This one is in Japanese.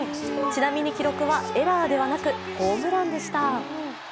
ちなみに記録はエラーではなくホームランでした。